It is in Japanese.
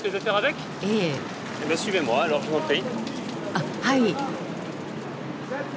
あっはい。